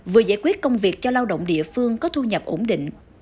vừa giải quyết công việc cho lao động địa phương có thu nhập ổn định